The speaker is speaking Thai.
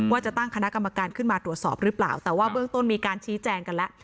ว่าจะตั้งคณะกรรมการขึ้นมาตรวจสอบหรือเปล่าแต่ว่าเบื้องต้นมีการชี้แจงกันแล้ว